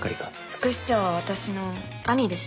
副市長は私の兄でした。